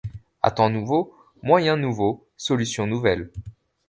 À temps nouveaux, moyens nouveaux solutions nouvelles.